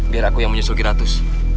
biar aku yang menyusul ke ratus